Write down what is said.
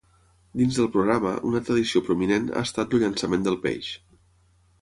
Dins del programa, una tradició prominent ha estat el llançament del peix.